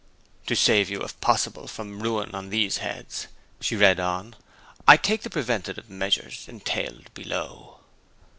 'To save you, if possible, from ruin on these heads,' she read on, 'I take the preventive measures entailed below.'